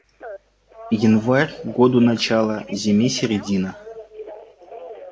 Январь - году начало, зиме середина.